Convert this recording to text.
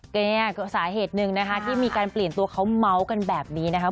ก็เนี่ยสาเหตุหนึ่งนะคะที่มีการเปลี่ยนตัวเขาเมาส์กันแบบนี้นะคะ